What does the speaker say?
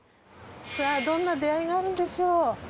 さあどんな出会いがあるんでしょう。